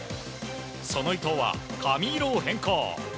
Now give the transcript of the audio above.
その伊東は、髪色を変更。